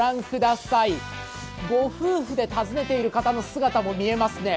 ご夫婦で訪ねている方の姿も見えますね。